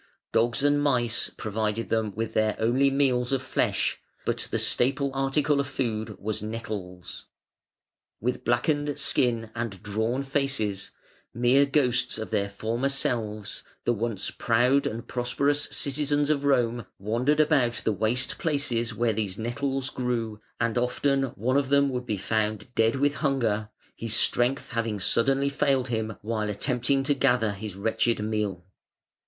Dogs and mice provided them with their only meals of flesh, but the staple article of food was nettles. With blackened skin and drawn faces, mere ghosts of their former selves, the once proud and prosperous citizens of Rome wandered about the waste places where these nettles grew, and often one of them would be found dead with hunger, his strength having suddenly failed him while attempting to gather his wretched meal.